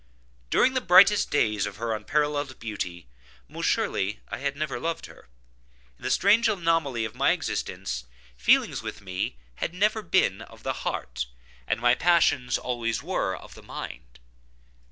During the brightest days of her unparalleled beauty, most surely I had never loved her. In the strange anomaly of my existence, feelings with me, had never been of the heart, and my passions always were of the mind.